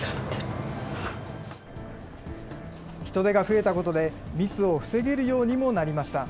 人手が増えたことで、ミスを防げるようにもなりました。